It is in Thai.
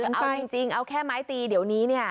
เอาจริงเอาแค่ไม้ตีเดี๋ยวนี้เนี่ย